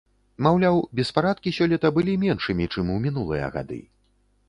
Маўляў, беспарадкі сёлета былі меншымі, чым у мінулыя гады.